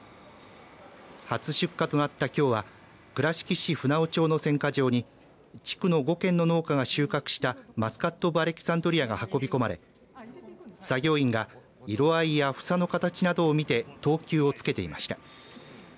初出荷となった、きょうは倉敷市船穂町の選果場に地区の５軒の農家が収穫したマスカット・オブ・アレキサンドリアが運び込まれ作業員が色合いや、房の形などを見て等級をつけていました。